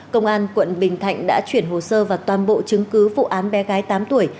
công an quận bình thạnh đã chuyển hồ sơ và toàn bộ chứng cứ vụ án bé gái tám tuổi